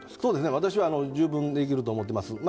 私は十分できると思っています。